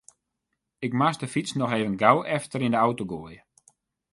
Ik moast de fyts noch even gau achter yn de auto goaie.